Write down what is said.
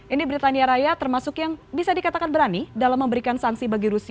ini britania raya termasuk yang bisa dikatakan berani dalam memberikan sanksi bagi rusia